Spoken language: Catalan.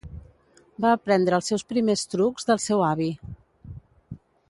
Va aprendre els seus primers trucs del seu avi.